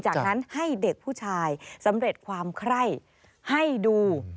จากนั้นให้เด็กผู้ชายสำเร็จความไคร่ให้ดู